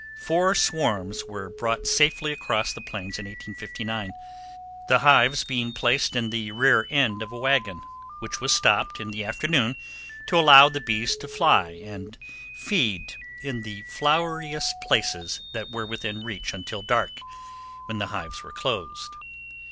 Four swarms were brought safely across the plains in 1859, the hives being placed in the rear end of a wagon, which was stopped in the afternoon to allow the bees to fly and feed in the floweriest places that were within reach until dark, when the hives were closed.